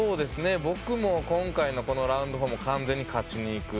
僕も今回のラウンド４も完全に勝ちにいく。